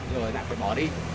rồi lại phải bỏ đi